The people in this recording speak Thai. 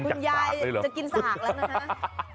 คุณยายจะกินสากแล้วนะคะ